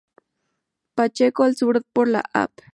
Pacheco, al sur por la Av.